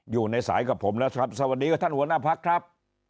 อยู่ในสายกับผมแล้วครับสวัสดีกับท่านหัวหน้าพักครับ